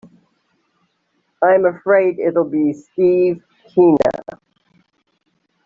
I'm afraid it'll be Steve Tina.